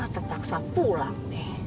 tepaksa pulang teh